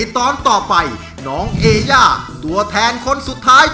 น้องไมโครโฟนจากทีมมังกรจิ๋วเจ้าพญา